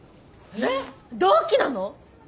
えっ同期なの？